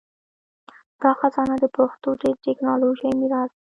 دا خزانه د پښتو د ټکنالوژۍ میراث دی.